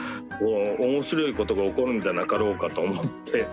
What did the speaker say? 面白いことが起こるんじゃなかろうかと思っています